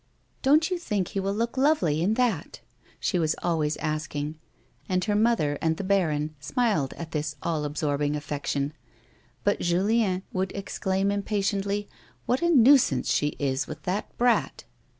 " Don't you think he will look lovely in that 1 " she was always asking, and her mother and the baron smiled at this all absorbing affection; but Julien would exclaim, impatiently, " What a nuisance she is with that brat